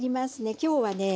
今日はね